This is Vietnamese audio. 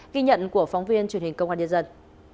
ghi nhận của phóng viên truyền hình công an nhân dân